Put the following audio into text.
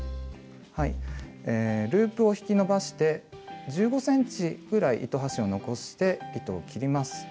ループを引き伸ばして１５ｃｍぐらい糸端を残して糸を切ります。